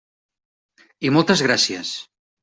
I moltes gràcies.